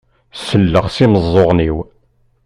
Selleɣ s imeẓẓuɣen-iw.